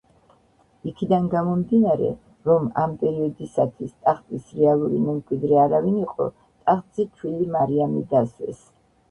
იქიდან გამომდინარე, რომ ამ პერიოდისათვის ტახტის რეალური მემკვიდრე არავინ იყო, ტახტზე ჩვილი მარიამი დასვეს.